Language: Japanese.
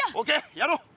やろう！